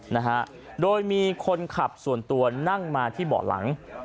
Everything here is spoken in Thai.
นะฮะโดยมีคนขับส่วนตัวนั่งมาที่เบาะหลัง